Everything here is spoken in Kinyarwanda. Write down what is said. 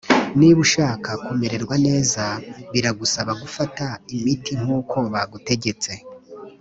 Niba ushaka kumererwa neza biragusaba gufata imiti nkuko bagutegetse